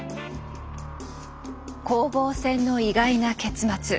攻防戦の意外な結末。